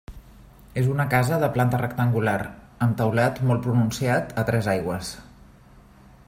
És una casa de planta rectangular, amb teulat molt pronunciat a tres aigües.